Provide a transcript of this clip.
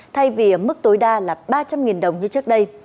thay vì mức tối đa là ba trăm linh đồng như trước đây